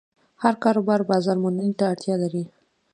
هر کاروبار بازارموندنې ته اړتیا لري.